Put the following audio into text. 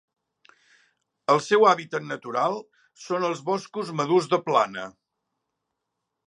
El seu hàbitat natural són els boscos madurs de plana.